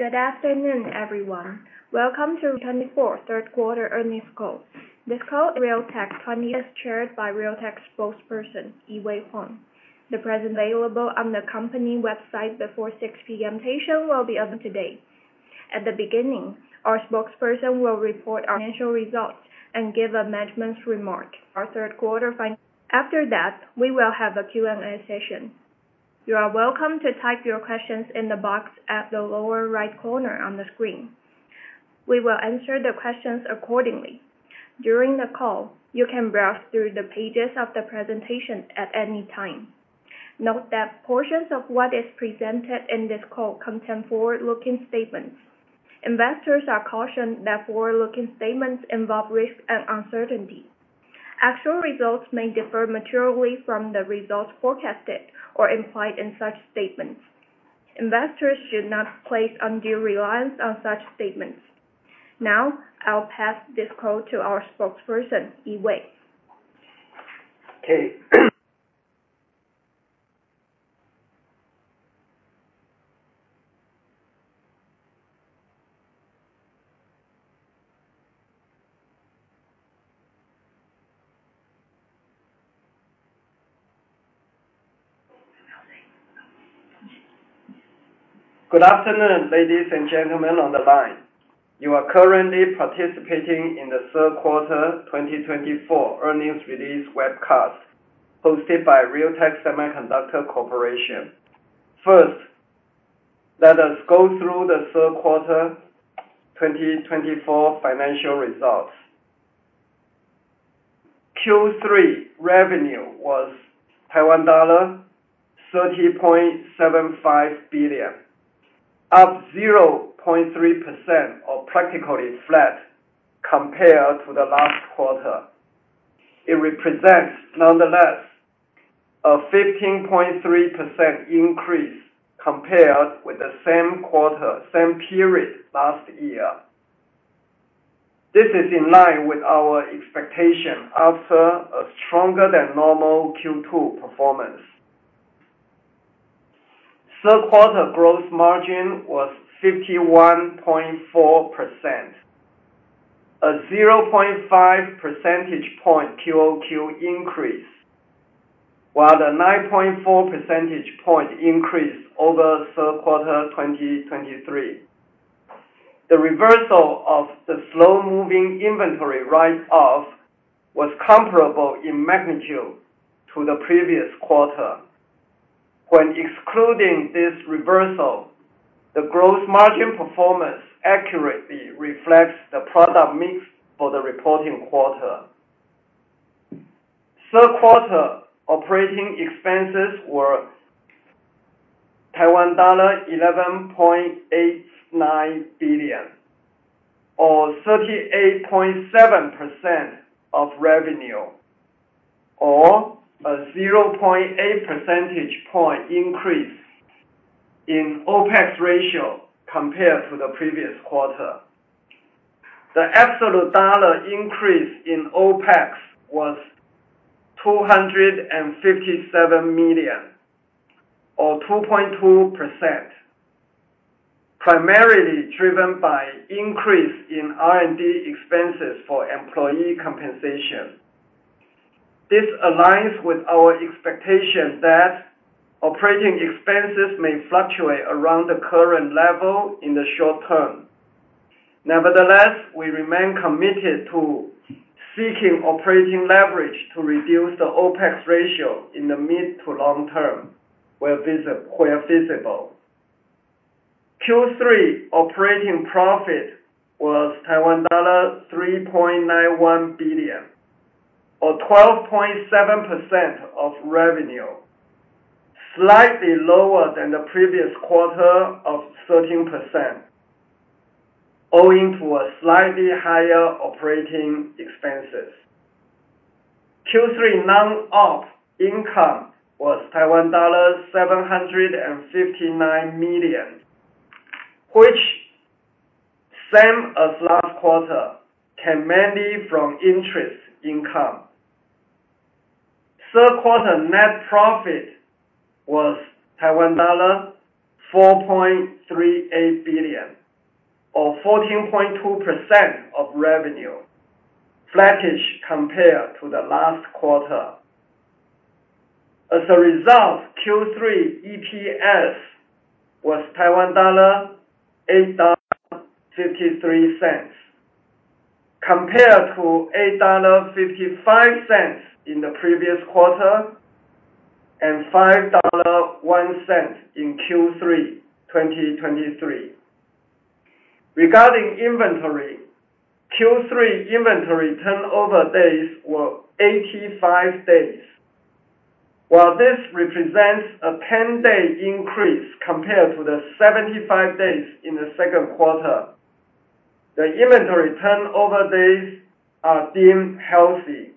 Good afternoon everyone. Welcome to 2024 third quarter earnings call. This call is chaired by Realtek spokesperson Yi Wei Huang. The presentation available on the company website before 6:00 P.M. Taiwan time will be open today. At the beginning our spokesperson will report our financial results and give management's remarks on our third quarter financials. After that we will have a Q&A session. You are welcome to type your questions in the box at the lower right corner on the screen. We will answer the questions accordingly during the call. You can browse through the pages of the presentation at any time. Note that portions of what is presented in this call contain forward-looking statements. Investors are cautioned that forward-looking statements involve risks and uncertainties. Actual results may differ materially from the results forecasted or implied in such statements. Investors should not place undue reliance on such statements. Now I'll pass this call to our spokesperson Yi Wei. Good afternoon ladies and gentlemen on the line. You are currently participating in the third quarter 2024 earnings release webcast hosted by Realtek Semiconductor Corporation. First let us go through the third quarter 2024 financial results. Q3 revenue was Taiwan dollar 30.75 billion, up 0.3% or practically flat compared to the last quarter. It represents nonetheless a 15.3% increase compared with the same quarter same period last year. This is in line with our expectation after a stronger than normal Q2 performance. Third quarter gross margin was 51.4%, a 0.5 percentage point QoQ increase, while the 9.4 percentage point increase over third quarter 2023. The reversal of the slow-moving inventory write-off was comparable in magnitude to the previous quarter. When excluding this reversal, the gross margin performance accurately reflects the product mix for the reporting quarter. Third quarter operating expenses were TWD 11.89 billion or 38.7% of revenue or a 0.8 percentage point increase in OpEx ratio compared to the previous quarter. The absolute dollar increase in OpEx was 257 million or 2.2%, primarily driven by increase in R&D expenses for employee compensation. This aligns with our expectation that operating expenses may fluctuate around the current level in the short term. Nevertheless, we remain committed to seeking operating leverage to reduce the OpEx ratio in the mid to long term where feasible. Q3 operating profit was TWD 3.91 billion or 12.7% of revenue, slightly lower than the previous quarter of 13% owing to a slightly higher operating expenses. Q3 non-Op income was Taiwan dollars 759 million, which same as last quarter came mainly from interest income. Third quarter net profit was Taiwan dollar 4.38 billion, or 14.2% of revenue flattish compared to the last quarter. As a result, Q3 EPS was TWD 8.53 compared to $8.55 in the previous quarter and $5.01 in Q3 2023. Regarding inventory, Q3 inventory turnover days were 85 days. While this represents a 10 day increase compared to the 75 days in the second quarter, the inventory turnover days are deemed healthy,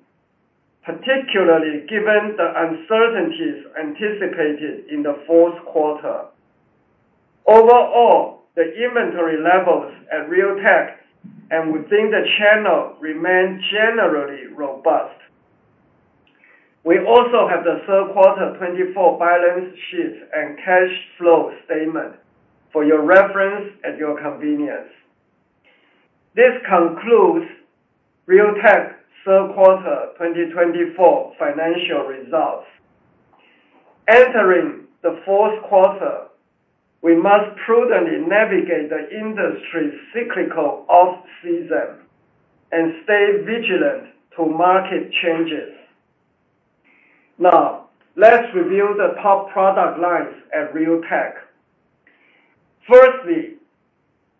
particularly given the uncertainties anticipated in the fourth quarter. Overall, the inventory levels at Realtek and within the channel remain generally robust. We also have the third quarter 2024 balance sheet and cash flow statement for your reference and your convenience. This concludes Realtek Third Quarter 2024 Financial Results. Entering the fourth quarter, we must prudently navigate the industry's cyclical off season and stay vigilant to market changes. Now let's review the top product lines at Realtek. Firstly,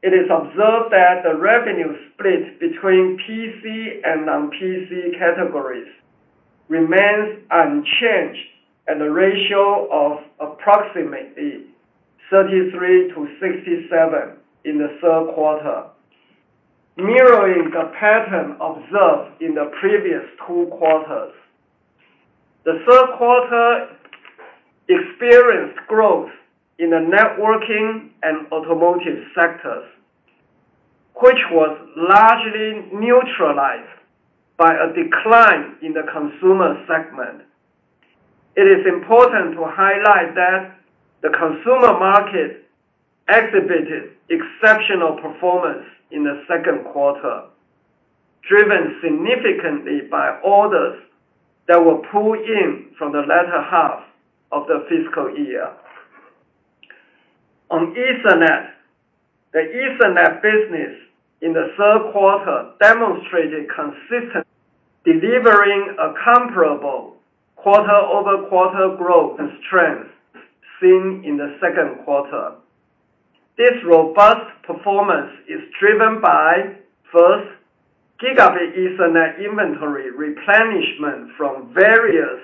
it is observed that the revenue split between PC and non-PC categories remains unchanged at a ratio of approximately 33–67 in the third quarter, mirroring the pattern observed in the previous two quarters. The third quarter experienced growth in the networking and automotive sectors, which was largely neutralized by a decline in the consumer segment. It is important to highlight that the consumer market exhibited exceptional performance in the second quarter, driven significantly by orders that will pull in from the latter half of the fiscal year. On Ethernet, the Ethernet business in the third quarter demonstrated consistently delivering a comparable quarter-over-quarter growth and strength seen in the second quarter. This robust performance is driven by, first, Gigabit Ethernet inventory replenishment from various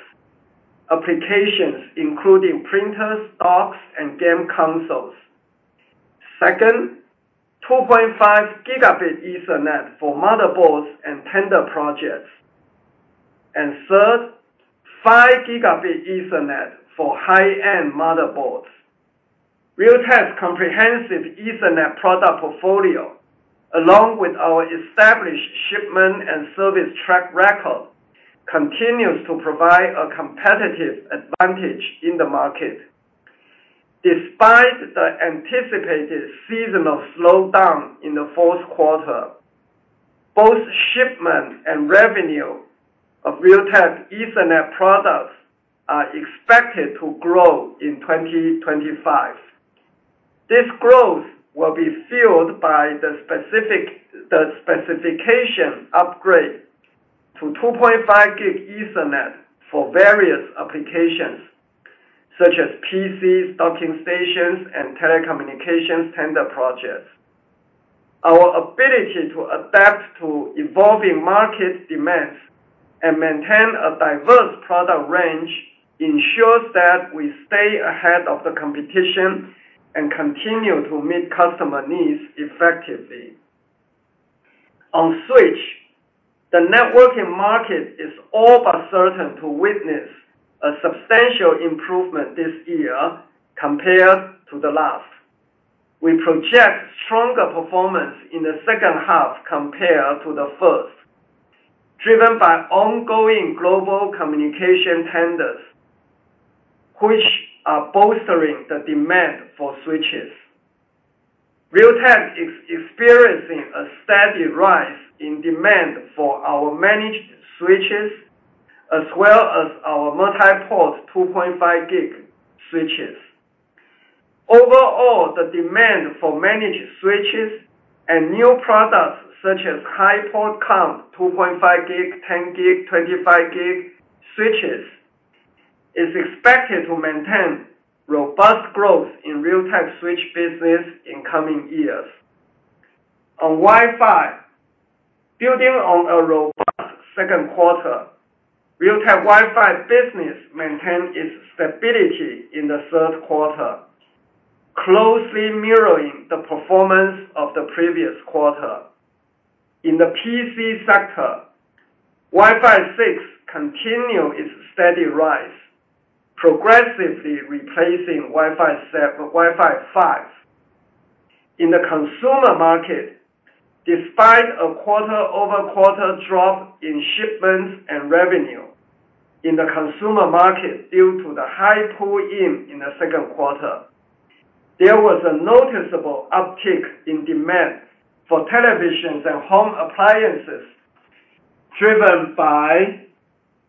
applications including printers, docks, and game consoles, second, 2.5 Gigabit Ethernet for motherboards and tender projects, and third, 5 Gigabit Ethernet for high-end motherboards. Realtek's comprehensive Ethernet product portfolio, along with our established shipment and service track record, continues to provide a competitive advantage in the market despite the anticipated seasonal slowdown in the fourth quarter. Both shipment and revenue of Realtek Ethernet products are expected to grow in 2025. This growth will be fueled by the specification upgrade to 2.5 Gigabit Ethernet for various applications such as PCs, docking stations, and telecommunications tender projects. Our ability to adapt to evolving market demands and maintain a diverse product range ensures that we stay ahead of the competition and continue to meet customer needs effectively. On switch. The networking market is all but certain to witness a substantial improvement this year compared to the last. We project stronger performance in the second half compared to the first, driven by ongoing global communication tenders which are bolstering the demand for switches. Realtek is experiencing a steady rise in demand for our managed switches as well as our multiport 2.5G switches. Overall, the demand for managed switches and new products such as high-port combo 2.5G 10G 25G switches is expected to maintain robust growth in Realtek switch business in coming years. On Wi-Fi, building on a robust second quarter, Realtek Wi-Fi business maintained its stability in the third quarter, closely mirroring the performance of the previous quarter. In the PC sector, Wi-Fi 6 continues its steady rise, progressively replacing Wi-Fi 5 in the consumer market. Despite a quarter over quarter drop in shipments and revenue in the consumer market due to the high pull-in in the second quarter, there was a noticeable uptick in demand for televisions and home appliances driven by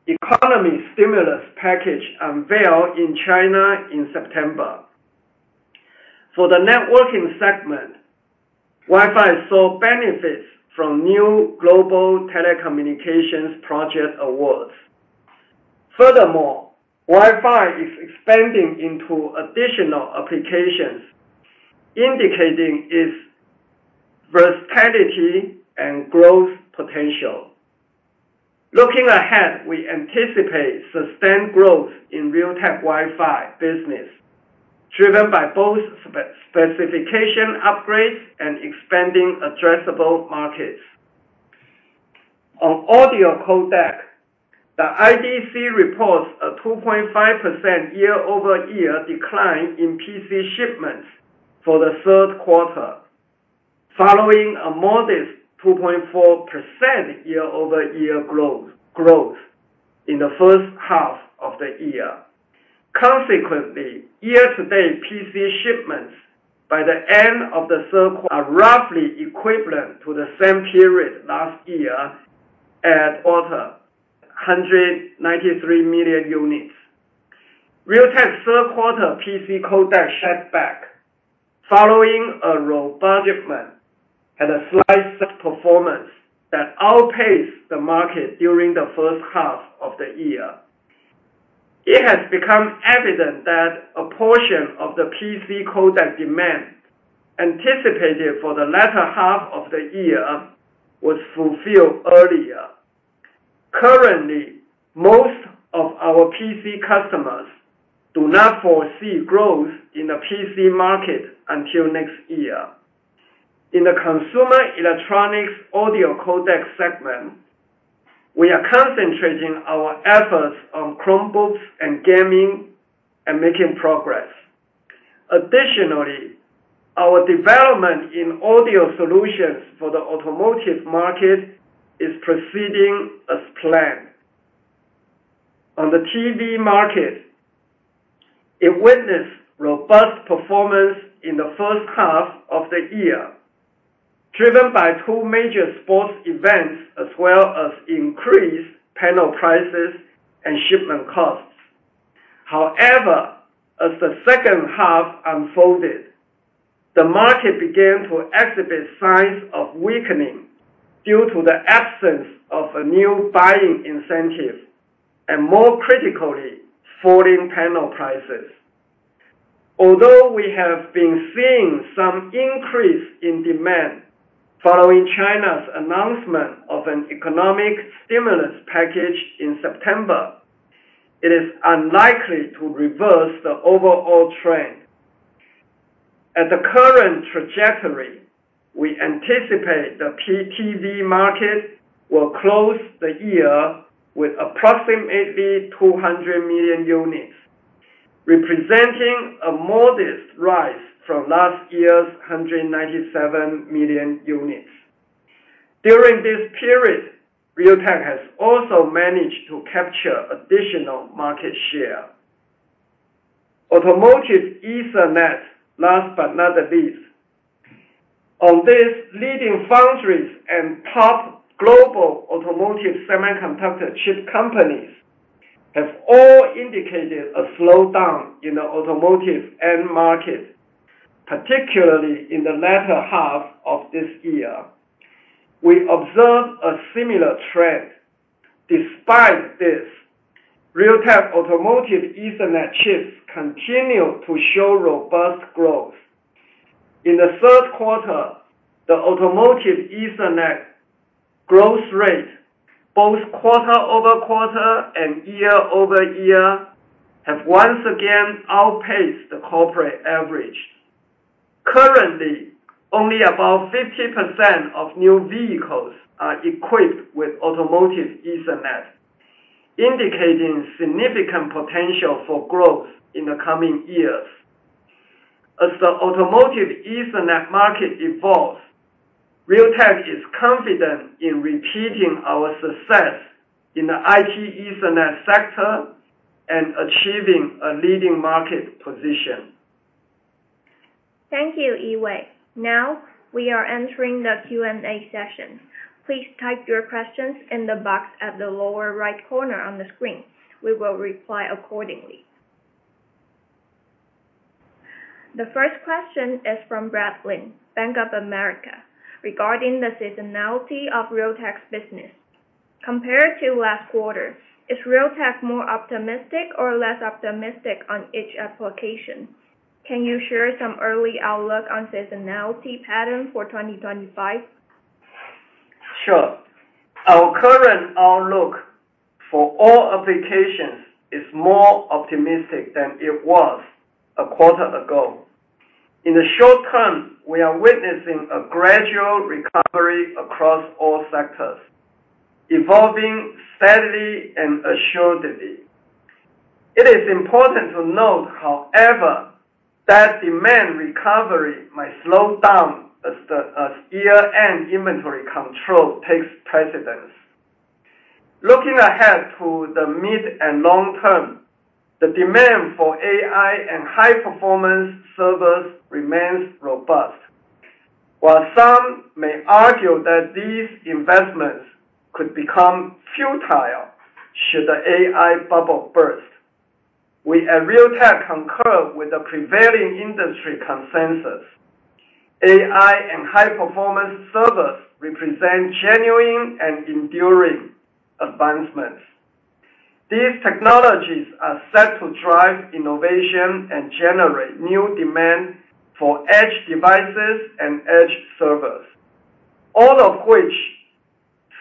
economic stimulus package unveiled in China in September. For the networking segment, Wi-Fi saw benefits from new global telecommunications project awards. Furthermore, Wi-Fi is expanding into additional applications, indicating its versatility and growth potential. Looking ahead, we anticipate sustained growth in Realtek Wi-Fi business driven by both specification upgrades and expanding addressable markets. On audio codec, the IDC reports a 2.5% year over year decline in PC shipments for the third quarter following a modest 2.4% year over year growth in the first half of the year. Consequently, year to date PC shipments by the end of the third quarter are roughly equivalent to the same period last year at 193 million units. Realtek's third quarter PC codec setback following a robust shipment and a slight performance that outpaced the market during the first half of the year, it has become evident that a portion of the PC codec demand anticipated for the latter half of the year was fulfilled earlier. Currently, most of our PC customers do not foresee growth in the PC market until next year. In the consumer electronics audio codec segment, we are concentrating our efforts on Chromebooks and gaming and making progress. Additionally, our development in audio solutions for the automotive market is proceeding as planned. On the TV market, it witnessed robust performance in the first half of the year driven by two major sports events as well as increased panel prices and shipment costs. However, as the second half unfolded, the market began to exhibit signs of weakening due to the absence of a new buying incentive and more critically falling panel prices. Although we have been seeing some increase in demand following China's announcement of an economic stimulus package in September, it is unlikely to reverse the overall trend at the current trajectory. We anticipate the TV market will close the year with approximately 200 million units, representing a modest rise from last year's 197 million units. During this period, Realtek has also managed to capture additional market share. Automotive Ethernet. Last but not the least, on this. Leading foundries and top global automotive semiconductor chip companies have all indicated a slowdown in the automotive end market, particularly in the latter half of this year. We observe a similar trend. Despite this, Realtek Automotive Ethernet chips continue to show robust growth in the third quarter. The automotive Ethernet growth rate both quarter over quarter and year over year have once again outpaced the corporate average. Currently, only about 50% of new vehicles are equipped with automotive Ethernet, indicating significant potential for growth in the coming years. As the automotive Ethernet market evolves, Realtek is confident in repeating our success in the IT Ethernet sector and achieving a leading market position. Thank you, Yi Wei. Now we are entering the Q and A session. Please type your questions in the box at the lower right corner on the screen. We will reply accordingly. The first question is from Brad Lin, Bank of America. Regarding the seasonality of Realtek's business compared to last quarter, is Realtek more optimistic or less optimistic on each application? Can you share some early outlook on seasonality pattern for 2025? Sure. Our current outlook for all applications is more optimistic than it was a quarter ago. In the short term, we are witnessing a gradual recovery across all sectors, evolving steadily and assuredly. It is important to note, however, that demand recovery might slow down as year end inventory control takes precedence. Looking ahead to the mid and long term, the demand for AI and high performance servers remains robust. While some may argue that these investments could become futile should the AI bubble burst, we at Realtek concur with the prevailing industry consensus. AI and high performance servers represent genuine and enduring advancements. These technologies are set to drive innovation and generate new demand for edge devices and edge servers, all of which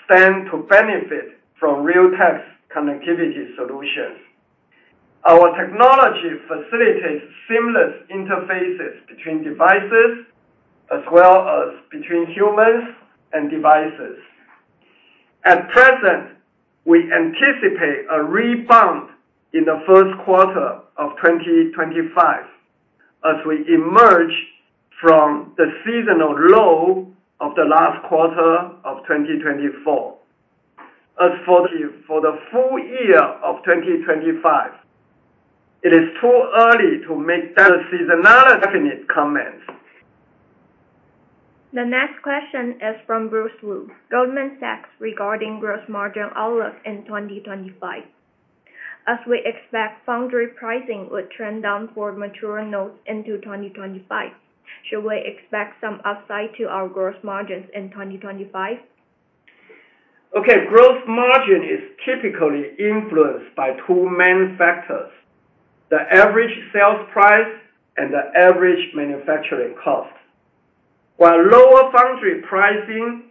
stand to benefit from Realtek's connectivity solutions. Our technology facilitates seamless interfaces between devices as well as between humans and devices. At present, we anticipate a rebound in the first quarter of 2025 as we emerge from the seasonal low of the last quarter of 2024. As for the full year of 2025, it is too early to make the seasonality definite. Comments. The next question is from Bruce Lu, Goldman Sachs, regarding gross margin outlook in 2025. As we expect foundry pricing would trend down for mature nodes into 2025, should we expect some upside to our gross margins in 2025? Gross margin is typically influenced by two main the average sales price and the average manufacturing cost. While lower foundry pricing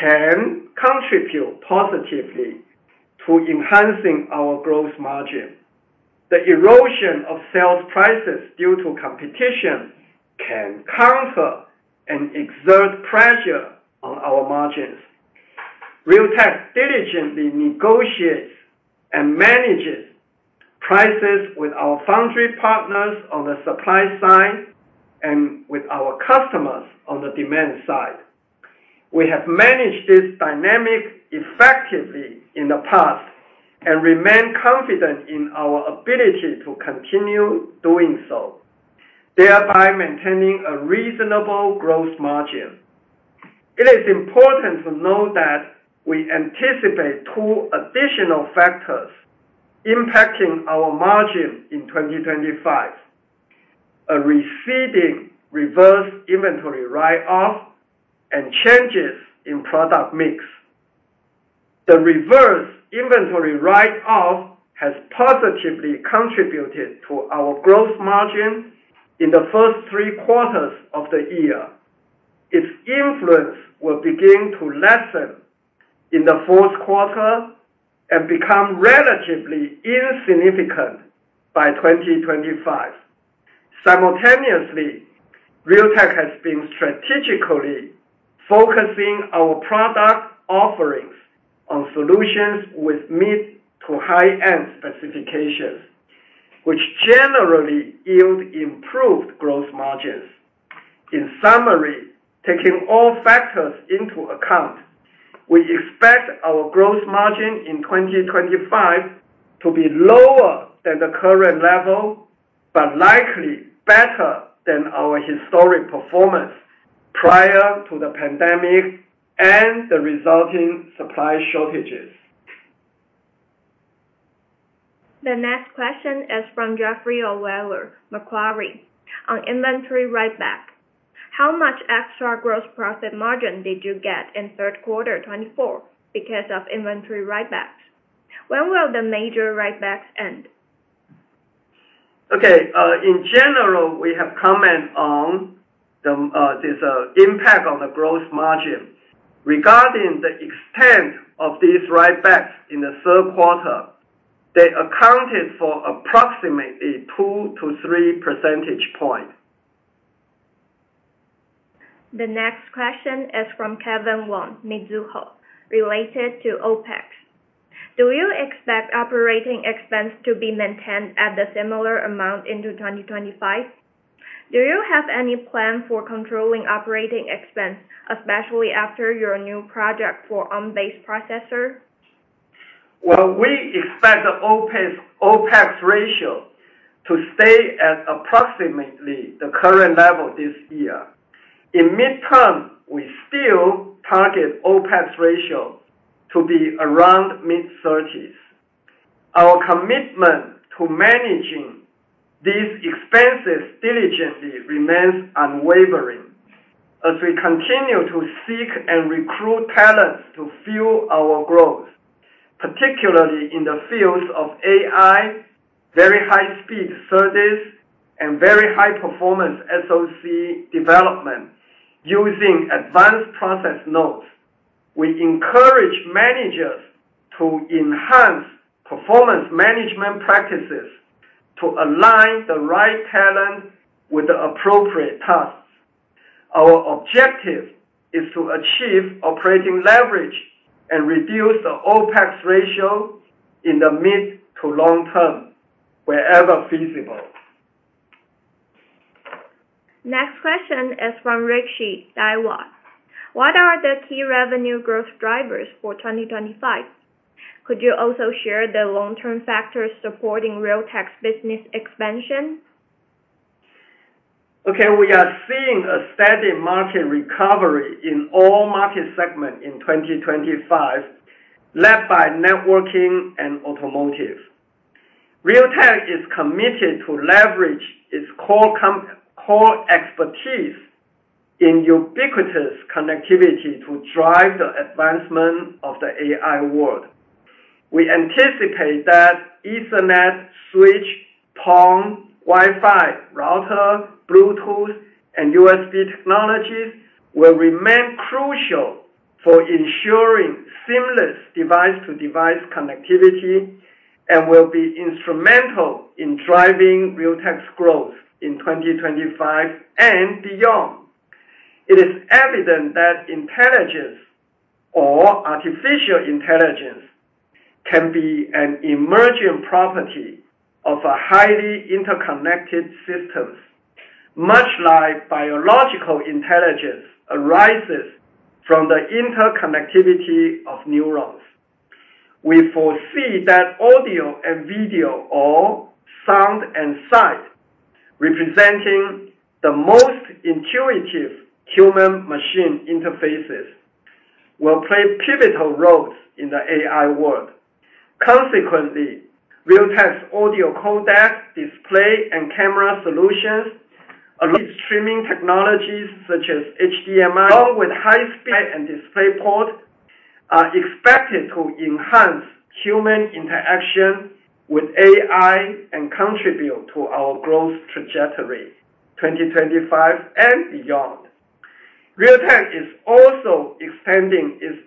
can contribute positively to enhancing our gross margin, the erosion of sales prices due to competition can counter and exert pressure on our margins. Realtek diligently negotiates and manages prices with our foundry partners on the supply side and with our customers on the demand side. We have managed this dynamic effectively in the past and remain confident in our ability to continue doing so, thereby maintaining a reasonable gross margin. It is important to note that we anticipate two additional factors impacting our margin in 2025: a receding reverse inventory write-off and changes in product mix. The reverse inventory write-off has positively contributed to our gross margin in the first three quarters of the year. Its influence will begin to lessen in the fourth quarter and become relatively insignificant by 2025. Simultaneously, Realtek has been strategically focusing our product offerings on solutions with mid to high end specifications which generally yield improved gross margins. In summary, taking all factors into account, we expect our gross margin in 2025 to be lower than the current level, but likely better than our historic performance prior to the pandemic and the resulting supply shortages. The next question is from Jeffrey Oh, Macquarie on inventory. How much extra gross profit margin did you get in Q3 2024 because of inventory write-backs? When will the major write-backs end? Okay, in general we have comment on this impact on the gross margin. Regarding the extent of these writebacks. In the third quarter they accounted for approximately two to three percentage points. The next question is from Kevin Wang, Mizuho. Related to OpEx, do you expect operating expense to be maintained at a similar amount into 2025? Do you have any plan for controlling operating expense, especially after your new project for Arm-based processor? We expect the OpEx ratio to stay at approximately the current level this year. In mid-term we still target OpEx ratio to be around mid-30s%. Our commitment to managing these expenses diligently remains unwavering as we continue to seek and recruit talents to fuel our growth, particularly in the fields of AI, very high speed SerDes and very high performance SoC development using advanced process nodes. We encourage managers to enhance performance management practices to align the right talent with the appropriate tasks. Our objective is to achieve operating leverage and reduce the OpEx ratio in the mid to long term wherever feasible. Next question is from Rick Hsu, Daiwa Capital Markets. What are the key revenue growth drivers for 2025? Could you also share the long term factors supporting Realtek's business expansion? Okay, we are seeing a steady market recovery in all market segments in 2025 led by networking and automotive. Realtek is committed to leverage its core expertise in ubiquitous connectivity to drive the advancement of the AI world. We anticipate that Ethernet switch, 10G Wi-Fi router, Bluetooth and USB technologies will remain crucial for ensuring seamless device to device connectivity and will be instrumental in driving Realtek's growth in 2025 and beyond. It is evident that intelligence or artificial intelligence can be an emerging property of a highly interconnected system, much like biological intelligence arises from the interconnectivity of neurons. We foresee that audio and video or sound and sight representing the most intuitive human machine interfaces will play pivotal roles in the AI world. Consequently, Realtek's audio codec, display and camera solutions, streaming technologies such as HDMI along with high speed and DisplayPort are expected to enhance human interaction with AI and contribute to our growth trajectory 2025 and beyond. Realtek is also extending its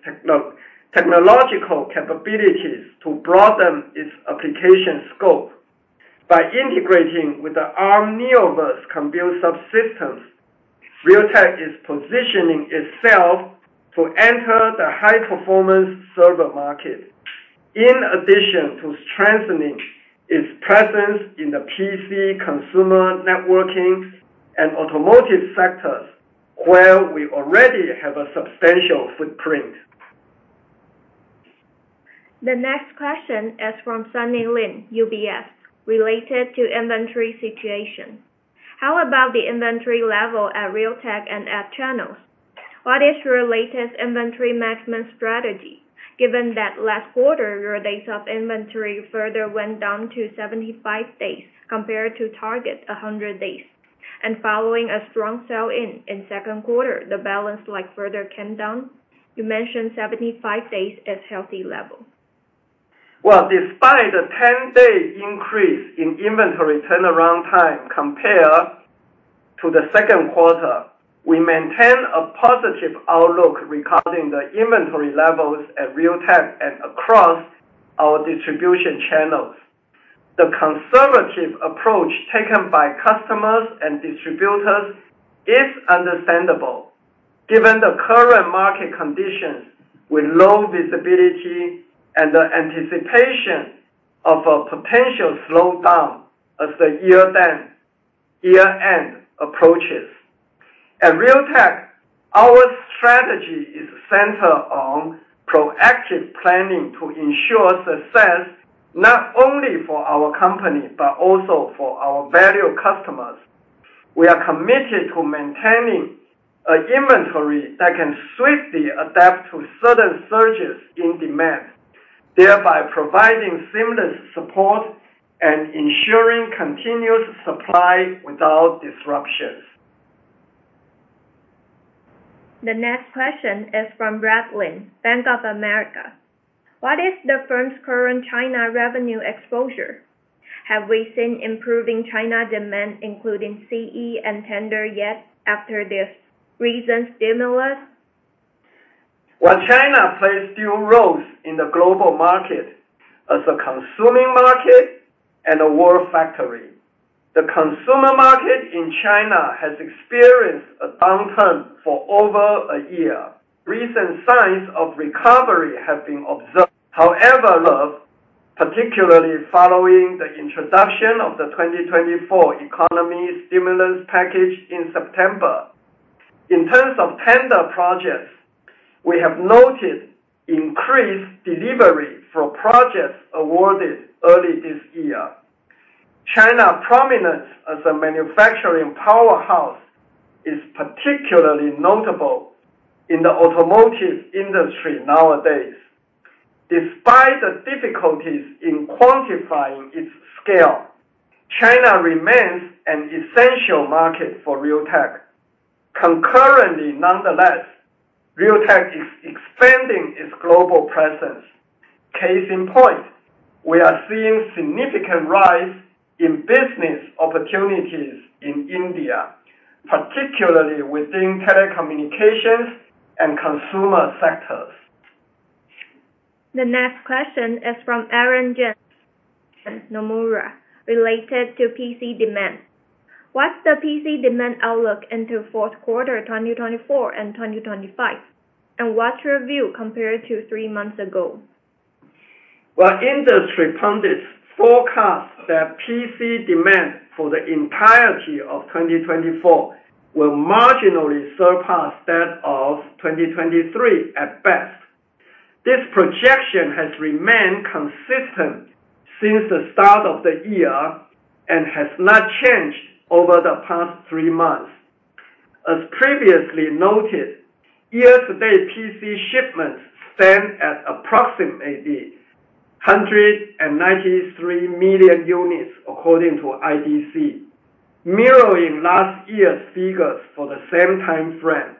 technological capabilities to broaden its application scope by integrating with the Arm Neoverse Compute Subsystems. Realtek is positioning itself to enter the high performance server market in addition to strengthening its presence in the PC, consumer, networking and automotive sectors where we already have a substantial footprint. The next question is from Sunny Lin, UBS, related to inventory situation. How about the inventory level at Realtek and end channels? What is your latest inventory management strategy given that last quarter your days of inventory further went down to 75 days compared to target 100 days and following a strong sell in in second quarter, the balance like further countdown you mentioned 75 days is healthy level well, despite. A 10-day increase in inventory turnaround time compared to the second quarter. We maintain a positive outlook regarding the inventory levels at Realtek and across our distribution channel. The conservative approach taken by customers and distributors is understandable given the current market conditions with low visibility and the anticipation of a potential slowdown as the year-end approaches. At Realtek, our strategy is centered on proactive planning to ensure success not only for our company but also for our valued customers. We are committed to maintaining an inventory that can swiftly adapt to sudden surges in demand, thereby providing seamless support and ensuring continuous supply without disruptions. The next question is from Brad Lin, Bank of America. What is the firm's current China revenue exposure? Have we seen improving China demand including CE and tender yet after this recent stimulus? While China plays dual roles in the global market as a consuming market and a world factory, the consumer market in China has experienced a downturn for over a year. Recent signs of recovery have been observed, however, particularly following the introduction of the 2024 economic stimulus package in September. In terms of tender projects, we have noted increased delivery for projects awarded early this year. China's prominence as a manufacturing powerhouse is particularly notable in the automotive industry nowadays. Despite the difficulties in quantifying its scale, China remains an essential market for Realtek. Concurrently, nonetheless, Realtek is expanding its global presence. Case in point, we are seeing significant rise in business opportunities in India, particularly within telecommunications and consumer sectors. The next question is from Aaron Jeng, Nomura. Related to PC demand, what's the PC demand outlook into fourth quarter 2024 and 2025, and what's your view compared to three months ago? Industry pundits forecast that PC demand for the entirety of 2024 will marginally surpass that of 2023 at best. This projection has remained consistent since the start of the year and has not changed over the past three months. As previously noted, year to date PC shipments stand at approximately 193 million units, according to IDC, mirroring last year's figures for the same time frame.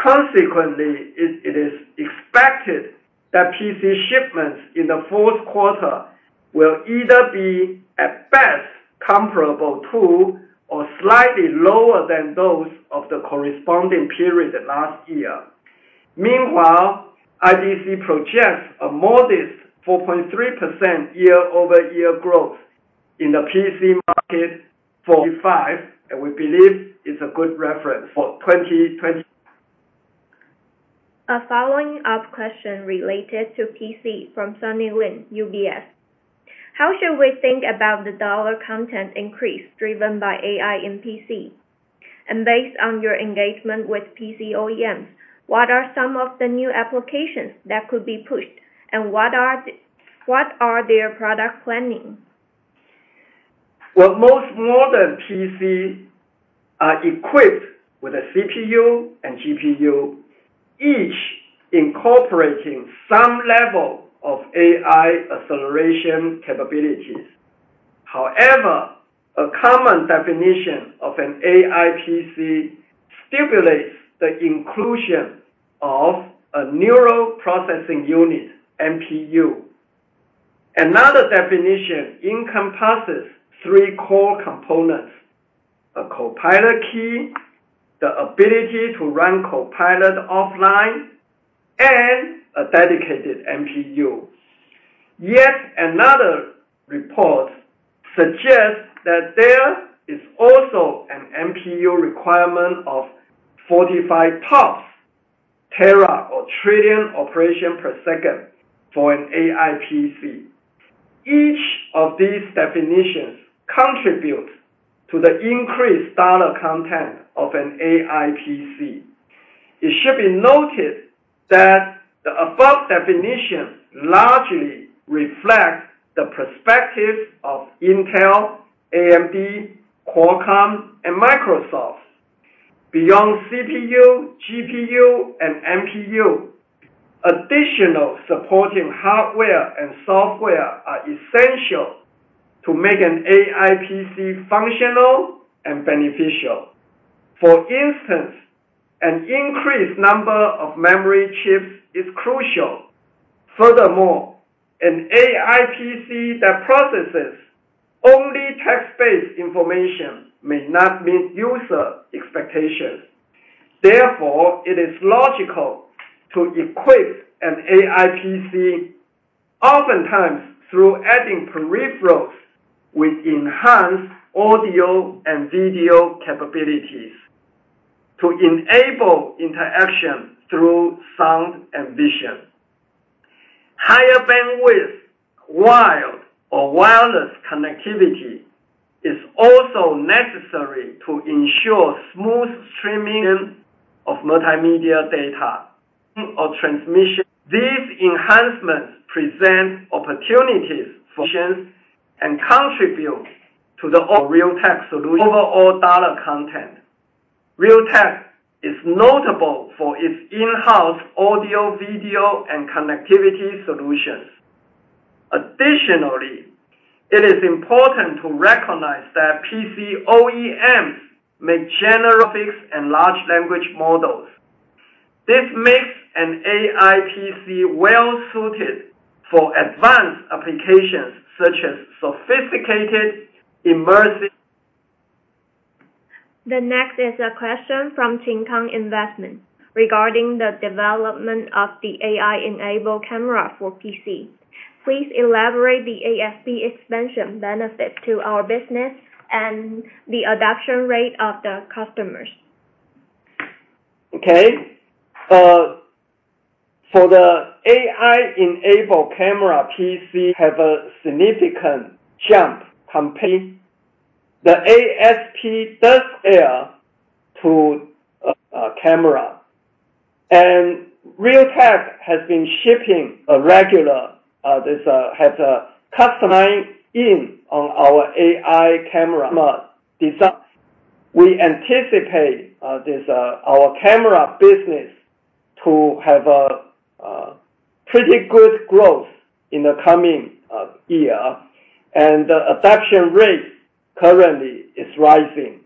Consequently, it is expected that PC shipments in the fourth quarter will either be at best comparable to or slightly lower than those of the corresponding period last year. Meanwhile, IDC projects a modest 4.3% year over year growth in the PC market for 2025 and we believe it's a good reference for 2025. A follow-up question related to PC from Sunny Lin, UBS: How should we think about the dollar content increase driven by AI in PC? And based on your engagement with PC OEMs, what are some of the new applications that could be pushed and what are their product planning? Most modern PCs are equipped with a CPU and GPU, each incorporating some level of AI acceleration capabilities. However, a common definition of an AI PC stipulates the inclusion of a neural processing unit NPU. Another definition encompasses three core components, a Copilot key, the ability to run Copilot offline, and a dedicated NPU. Yet another report suggests that there is also an NPU requirement of 45 TOPS, tera or trillion operations per second for an AI PC. Each of these definitions contribute to the increased dollar content of an AI PC. It should be noted that the above definition largely reflects the perspectives of Intel, AMD, Qualcomm and Microsoft. Beyond CPU, GPU and NPU, additional supporting hardware and software are essential to make an AI PC functionally beneficial. For instance, an increased number of memory chips is crucial. Furthermore, an AI PC that processes only text-based information may not meet user expectations. Therefore, it is logical to equip an AI PC oftentimes through adding peripherals with enhanced audio and video capabilities to enable interaction through sound and vision. Higher bandwidth wired or wireless connectivity is also necessary to ensure smooth streaming of multimedia data or transmission. These enhancements present opportunities for and contribute to the Realtek solution over all data content. Realtek is notable for its in-house audio, video and connectivity solutions. Additionally, it is important to recognize that PC OEMs make generative AI and large language models. This makes an AI PC well suited for advanced applications such as sophisticated immersive. The next is a question from Tim Kung Capital Securities regarding the development of the AI-enabled camera for PC. Please elaborate the ASP expansion benefit to our business and the adoption rate of the customers, okay. For the AI-enabled camera PC have a significant jump comparing the ASP desktop to camera and Realtek has been shipping already. This has a customized engine on our AI camera module. We anticipate our camera business to have pretty good growth in the coming year and the adoption rate currently is rising.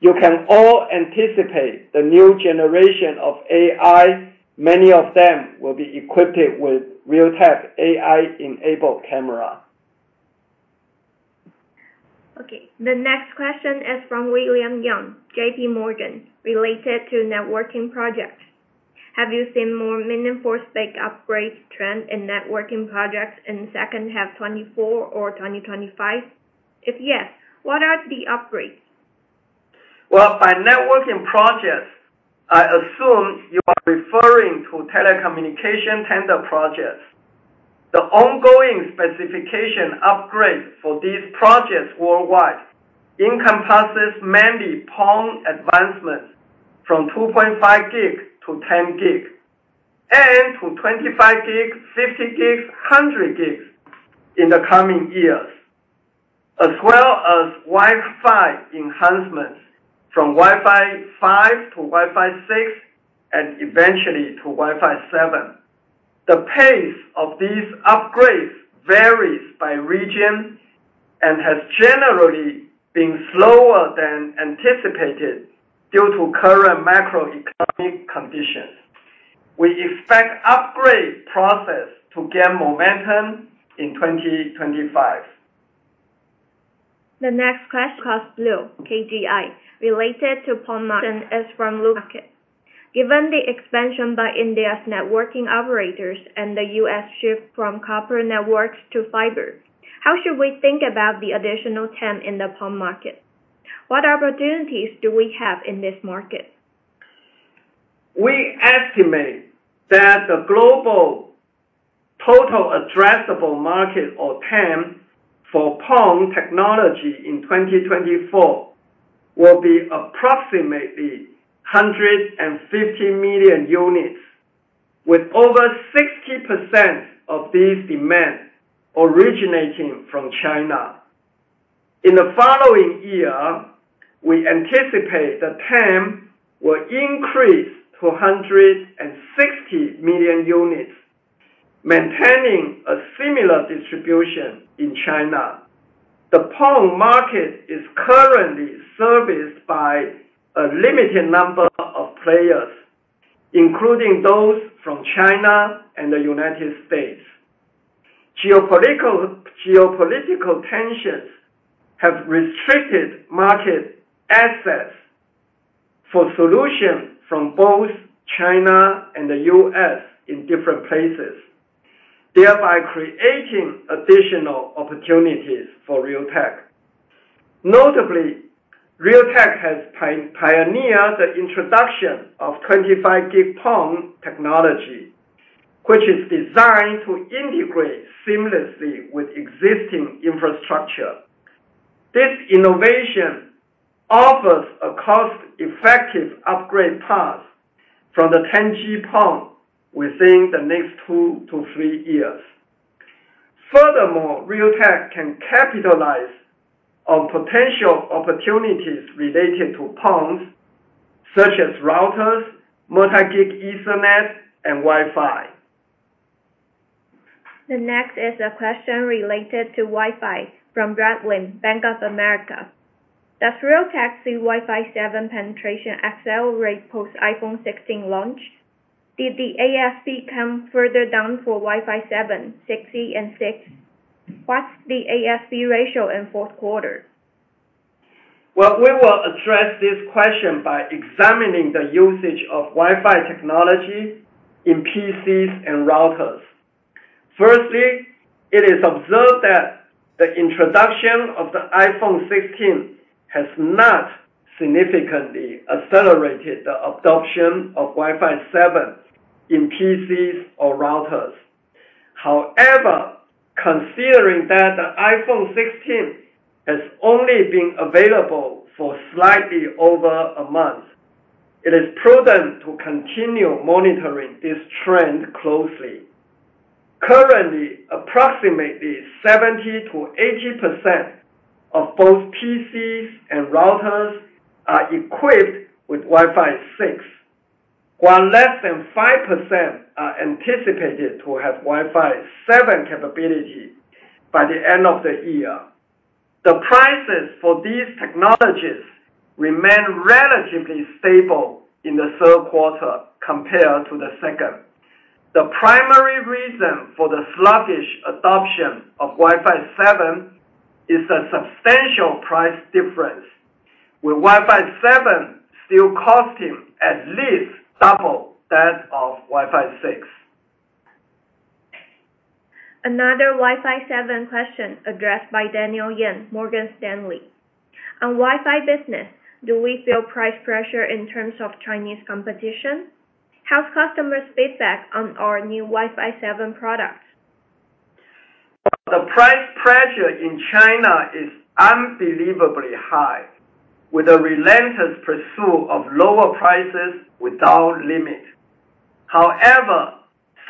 You can all anticipate the new generation of AI. Many of them will be equipped with real-time AI-enabled camera. Okay, the next question is from William Yang, JPMorgan. Related to networking projects, have you seen more meaningful spec upgrade trend in networking projects in second half 2024 or 2025? If yes, what are the upgrades? By networking projects I assume you are referring to telecommunication tender projects. The ongoing specification upgrade for these projects worldwide encompasses many PON advancements from 2.5G–10G and to 25G, 50G, 100G in the coming years as well as Wi-Fi enhancements from Wi-Fi 5–Wi-Fi 6 and eventually to Wi-Fi 7. The pace of these upgrades varies by region and has generally been slower than anticipated due to current macroeconomic conditions. We expect upgrade process to gain momentum in 2025. The next question from Luke Lin at KGI related to PON margin is from Luke Lin. Given the expansion by India's networking operators and the U.S. shift from copper networks to fiber, how should we think about the additional TAM in the PON market? What opportunities do we have in this market? We estimate that the global total addressable market, or TAM, for PON technology in 2024 will be approximately 150 million units, with over 60% of these demand originating from China. In the following year, we anticipate the TAM will increase to 160 million units, maintaining a similar distribution in China. The PON market is currently serviced by a limited number of players, including those from China and the United States. Geopolitical tensions have restricted market access for solutions from both China and the US in different places, thereby creating additional opportunities for Realtek. Notably, Realtek has pioneered the introduction of 25G PON technology which is designed to integrate seamlessly with existing infrastructure. This innovation offers a cost-effective upgrade path from the 10G PON within the next two to three years. Furthermore, Realtek can capitalize on potential opportunities related to PONs such as routers, multi-gig, Ethernet and Wi-Fi. The next is a question related to Wi-Fi from Brad Lin, Bank of America. Does Realtek see Wi-Fi 7 penetration accelerate post iPhone 16 launch? Did the ASP come further down for Wi-Fi 7, 6E and 6? What's the ASP ratio in fourth quarter? We will address this question by examining the usage of Wi-Fi technology in PCs and routers. Firstly, it is observed that the introduction of the iPhone 16 has not significantly accelerated the adoption of Wi-Fi 7 in PCs or routers. However, considering that the iPhone 16 has only been available for slightly over a month, it is prudent to continue monitoring this trend closely. Currently, approximately 70%-80% of both PCs and routers are equipped with Wi-Fi 6, while less than 5% are anticipated to have Wi-Fi 7 capability by the end of the year. The prices for these technologies remain relatively stable in the third quarter compared to the second. The primary reason for the sluggish adoption of Wi-Fi 7 is a substantial price difference with Wi-Fi 7 still costing at least double that of Wi-Fi 6. Another Wi-Fi 7 question addressed by Daniel Yen, Morgan Stanley on Wi-Fi business. Do we feel price pressure in terms of Chinese competition? How's customers' feedback on our new Wi-Fi 7 products? The price pressure in China is unbelievably high with a relentless pursuit of lower prices without limit. However,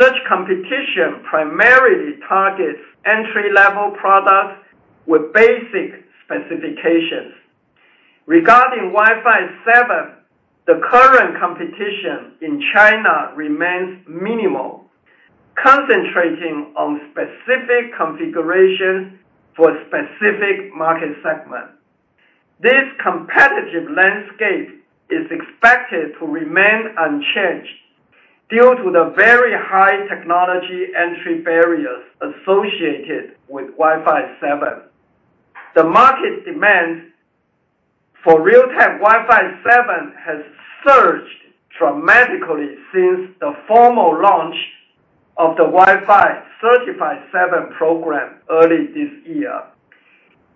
such competition primarily targets entry-level products with basic specifications regarding Wi-Fi 7. The current competition in China remains minimal, concentrating on specific configurations for specific market segments. This competitive landscape is expected to remain unchanged due to the very high technology entry barriers associated with Wi-Fi 7. The market demand for real-time Wi-Fi 7 has surged dramatically since the formal launch of the Wi-Fi Certified 7 program early this year.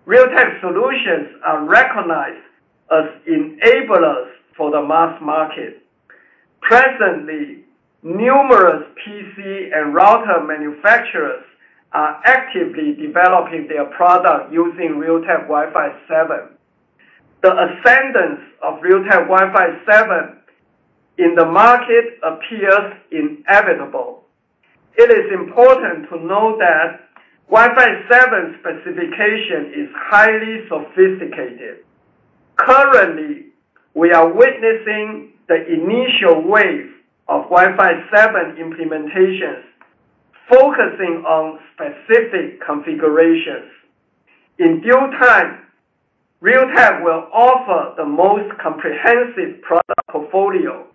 Real-time solutions are recognized as enablers for the mass market. Presently, numerous PC and router manufacturers are actively developing their product using Realtek Wi-Fi 7. The ascendance of Realtek Wi-Fi 7 in the market appears inevitable. It is important to note that Wi-Fi 7 specification is highly sophisticated. Currently, we are witnessing the initial wave of Wi-Fi 7 implementations focusing on specific configurations. In due time, Realtek will offer the most comprehensive product portfolio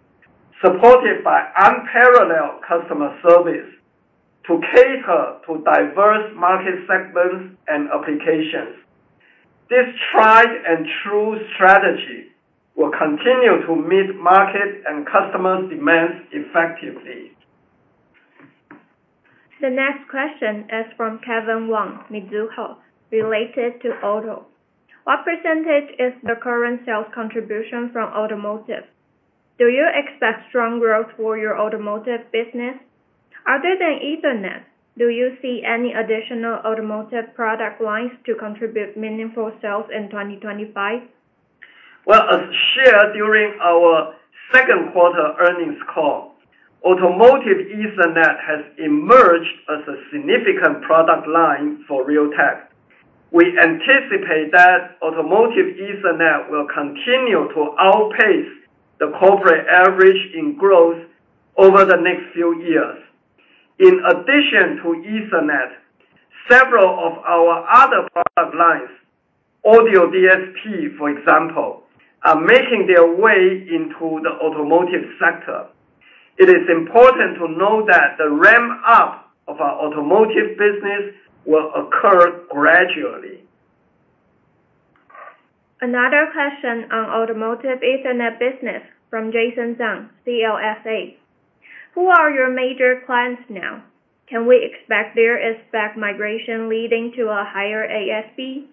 supported by unparalleled customer service to cater to diverse market segments and applications. This tried and true strategy will continue to meet market and customers' demands effectively. The next question is from Kevin Wang, Mizuho. Related to auto, what percentage is the current sales contribution from automotive? Do you expect strong growth for your automotive business? Other than Ethernet, do you see any additional automotive product lines to contribute meaningful sales in 2025? As shared during our second quarter earnings call, Automotive Ethernet has emerged as a significant product line for Realtek. We anticipate that Automotive Ethernet will continue to outpace the corporate average in growth over the next few years. In addition to Ethernet, several of our other product lines, Audio DSP, for example, are making their way into the automotive sector. It is important to note that the ramp up of our automotive business will occur gradually. Another question on Automotive Ethernet business from Jason Zhang, CLSA. Who are your major clients now? Can we expect their ASP migration leading to a higher ASP?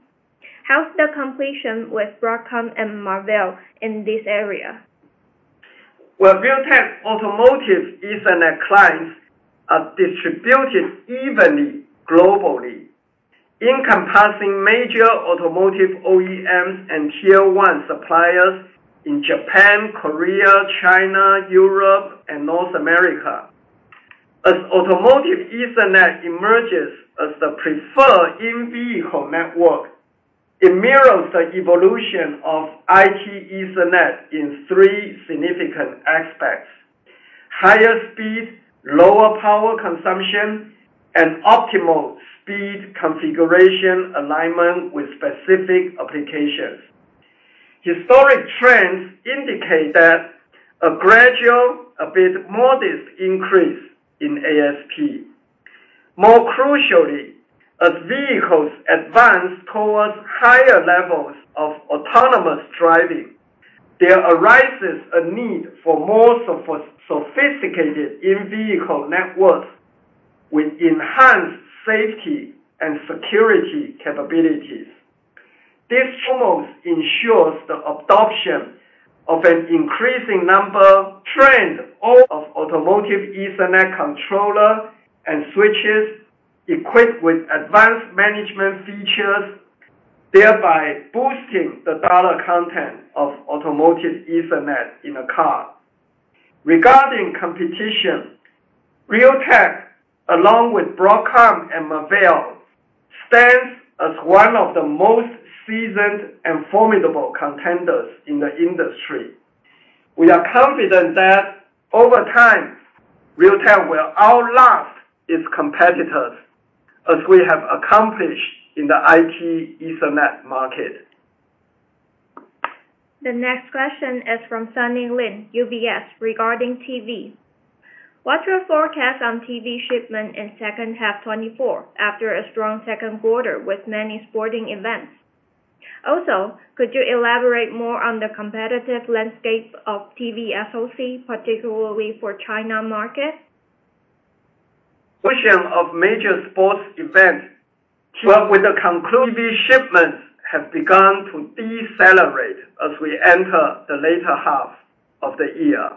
How's the competition with Broadcom and Marvell in this area? Realtek Automotive Ethernet clients are distributed evenly globally encompassing major automotive OEMs and Tier 1 suppliers in Japan, Korea, China, Europe and North America. As Automotive Ethernet emerges as the preferred in vehicle network, it mirrors the evolution of IT Ethernet in three significant higher speed, lower power consumption and optimal speed configuration alignment with specific applications. Historic trends indicated a gradual, a bit modest increase in ASP. More crucially, as vehicles advance towards higher levels of autonomous driving, there arises a need for more sophisticated in vehicle networks with enhanced safety and security capabilities. This promotes ensures the adoption of an increasing number trend of Automotive Ethernet controller and switches equipped with advanced management features, thereby boosting the data content of Automotive Ethernet in a car. Regarding competition, Realtek, along with Broadcom and Marvell, stands as one of the most seasoned and formidable contenders in the industry. We are confident that over time Realtek will outlast its competitors as we have accomplished in the IT Ethernet market. The next question is from Sunny Lin of UBS. Regarding TV, what's your forecast on TV shipment in second half of 2024 after a strong second quarter with many sporting events? Also, could you elaborate more on the competitive landscape of TV SoC, particularly for China market. With the conclusion of major sports events, TV shipments have begun to decelerate as we enter the later half of the year.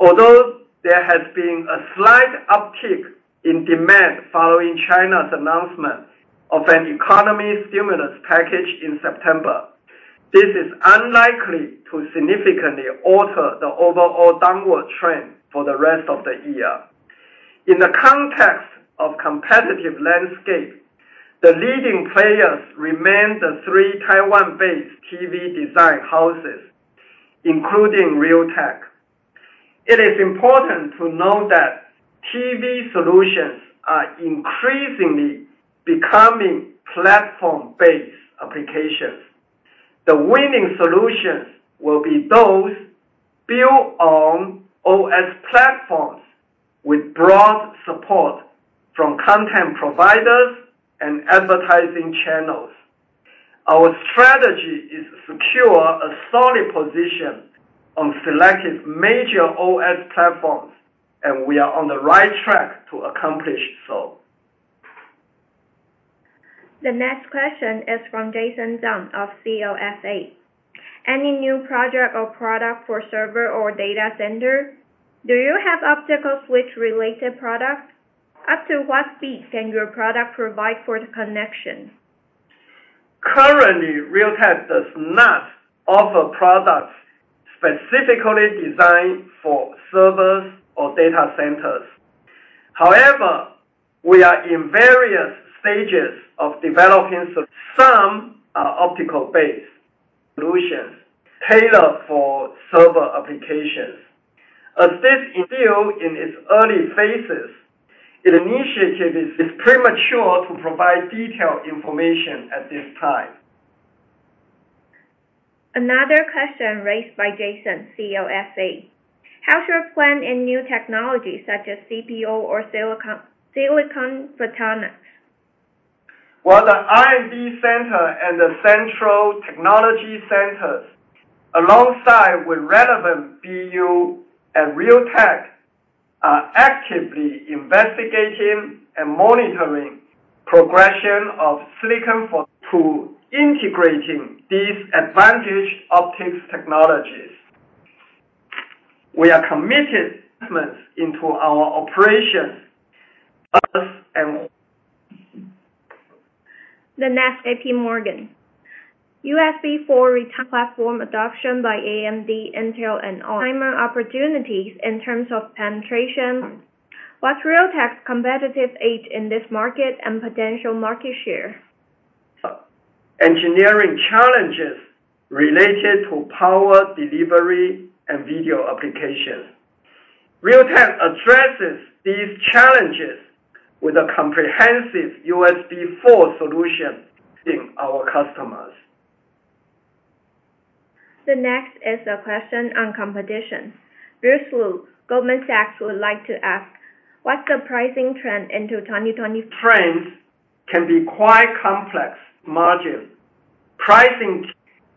Although there has been a slight uptick in demand following China's announcement of an economic stimulus package in September, this is unlikely to significantly alter the overall downward trend for the rest of the year. In the context of the competitive landscape, the leading players remain the three Taiwan-based TV design houses including Realtek. It is important to note that TV solutions are increasingly becoming platform-based applications. The winning solutions will be those built on OS platforms with broad support from content providers and advertising channels. Our strategy is to secure a solid position on selected major OS platforms and we are on the right track to accomplish so. The next question is from Jason Zhang of CLSA. Any new project or product for server or data center? Do you have optical switch related products? Up to what speed can your product provide for the connection? Currently Realtek does not offer products specifically designed for servers or data centers. However, we are in various stages of developing solutions. Some are optical based solutions tailored for server applications. As this is still in its early phases, it's premature to provide detailed information at this time. Another question raised by Jason Zhang: how should plan in new technologies such as CPO or silicon photonics? The R&D center and the Central Technology Centers, alongside with relevant BU and Realtek, are actively investigating and monitoring progression of silicon to integrating these advanced optics technologies. We are committed to our operations. The next JPMorgan USB4 client platform adoption by AMD, Intel and all client opportunities in terms of penetration, what's Realtek's competitive edge in this market and potential? Market share engineering challenges related to power delivery and video applications. Realtek addresses these challenges with a comprehensive USB4 solution in our customers. The next is a question on competition. Bruce Lu, Goldman Sachs, would like to ask what's the pricing trend into 2020? Trends can be quite complex in margin pricing.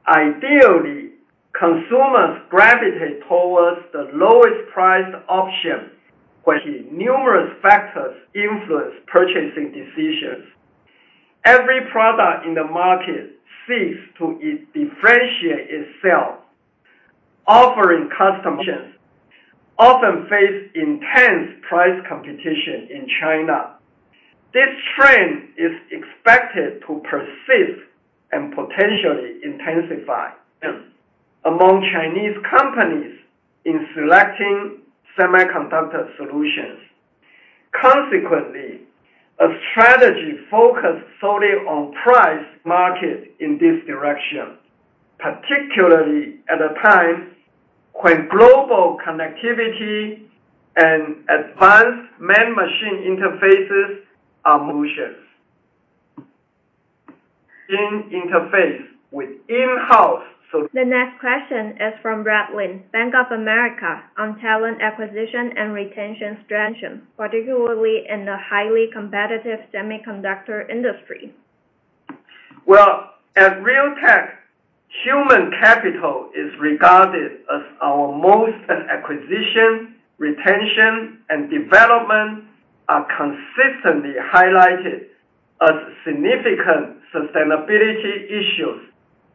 Ideally, consumers gravitate towards the lowest priced option. Numerous factors influence purchasing decisions. Every product in the market seeks to differentiate itself. Offerings in supply chains often face intense price competition. In China, this trend is expected to persist and potentially intensify among Chinese companies in selecting semiconductor solutions. Consequently, a strategy focused solely on price-matching in this direction, particularly at a time when global connectivity and advanced human-machine interfaces are essential in interfacing with in-house. The next question is from Brad Lin of Bank of America on talent acquisition and retention strategy, particularly in the highly competitive semiconductor industry. At Realtek, human capital is regarded as our most important asset. Acquisition, retention and development are consistently highlighted as significant sustainability issues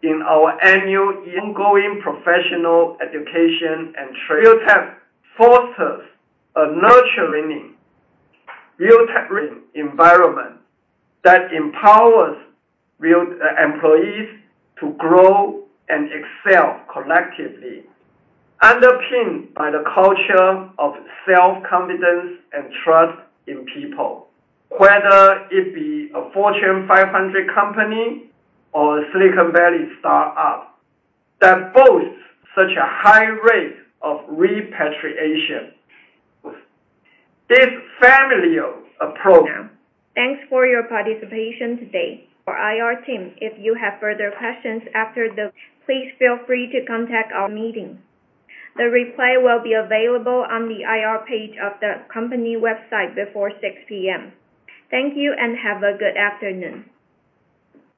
in our annual and ongoing professional education and training. Realtek fosters a nurturing real-time environment that empowers employees to grow and excel, collectively underpinned by the culture of self-confidence and trust in people. Whether it be a Fortune 500 company or Silicon Valley startup that boasts such a high rate of repatriation, this familial approach. Thanks for your participation today from the IR Team. If you have further questions after the meeting, please feel free to contact our IR Team. The replay will be available on the IR page of the company website before 6:00 P.M. Thank you and have a good afternoon.